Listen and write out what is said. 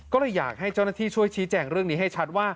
ก็เลยอยากให้เจ้าหน้าที่ช่วยชี้แจงเรื่องนี้ให้ชัดว่า